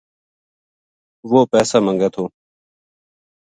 وہ پیسا منگے تھو۔